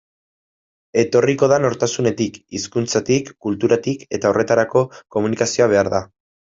Etorriko da nortasunetik, hizkuntzatik, kulturatik, eta horretarako komunikazioa behar da.